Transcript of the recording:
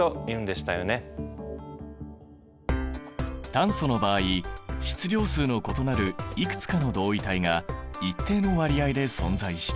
炭素の場合質量数の異なるいくつかの同位体が一定の割合で存在している。